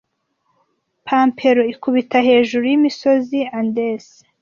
Pampero ikubita hejuru y'imisozi Andes